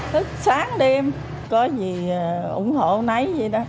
thức sáng đêm có gì ủng hộ nấy gì đó